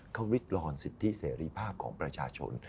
เขาวิดลอนสิทธิเสรีภาพของประชาชน